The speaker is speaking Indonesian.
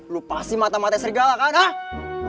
lu pasti mata mata serigala kan